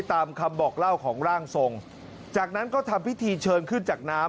ตามคำบอกเล่าของร่างทรงจากนั้นก็ทำพิธีเชิญขึ้นจากน้ำ